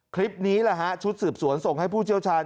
คลิปนี้แหละฮะชุดสืบสวนส่งให้ผู้เชี่ยวชาญ